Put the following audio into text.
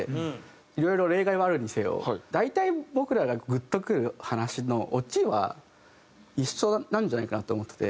いろいろ例外はあるにせよ大体僕らがグッとくる話のオチは一緒なんじゃないかなと思ってて。